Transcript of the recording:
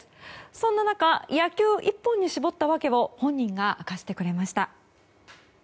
そんな中野球一本に絞った訳を本人が明かしてくれました。